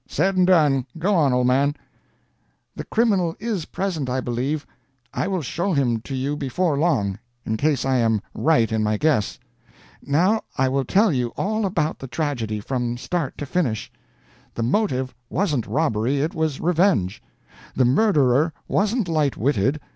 "Said and done. Go on, old man!" "The criminal is present, I believe. I will show him to you before long, in case I am right in my guess. Now I will tell you all about the tragedy, from start to finish. The motive wasn't robbery; it was revenge. The murderer wasn't light witted.